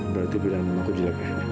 berarti pilihan nama aku jelek ya